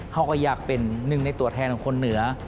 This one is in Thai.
เขาก็อยากเป็นหนึ่งในตัวแทนของคนเหนือ